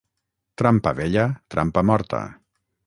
Trampa vella, trampa morta.